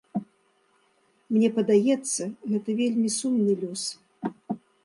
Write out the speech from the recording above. Мне падаецца, гэта вельмі сумны лёс.